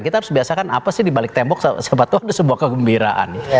kita harus biasakan apa sih di balik tembok sepatu ada sebuah kegembiraan